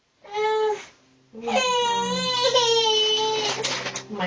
เกิดไหลใครเนี้ย